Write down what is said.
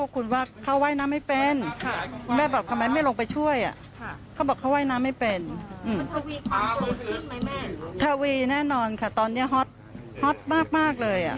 คุณแม่ค่ะเหมือนเปิดโอกาสให้เขาได้พูดแต่ทำไมไม่ทำ